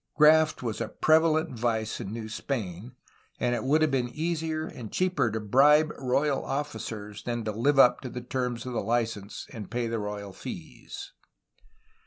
Graft was a prevalent vice in New Spain, and it would have been easier and cheaper to bribe royal officers than to live up to the terms cf , the license and pay the royal fees.